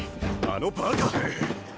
あのバカ！